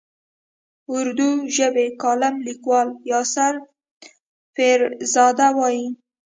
اردو ژبی کالم لیکوال یاسر پیرزاده وايي.